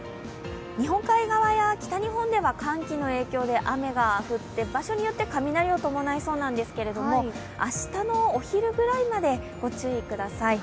日本海側や北日本では寒気の影響で雨が降って場所によって雷を伴いそうなんですけど明日のお昼ぐらいまでご注意ください。